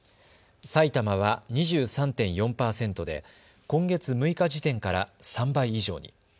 埼玉は２３．４％で今月６日時点から３倍以上に。